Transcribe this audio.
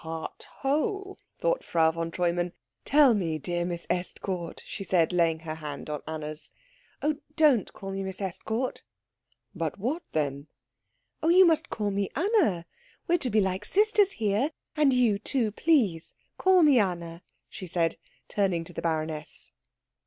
"Heartwhole," thought Frau von Treumann. "Tell me, dear Miss Estcourt " she said, laying her hand on Anna's. "Oh, don't call me Miss Estcourt." "But what, then?" "Oh, you must call me Anna. We are to be like sisters here and you, too, please, call me Anna," she said, turning to the baroness.